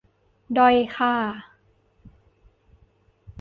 ด้อยค่า